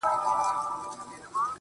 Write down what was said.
هغه اوس اوړي غرونه غرونه پـــرېږدي.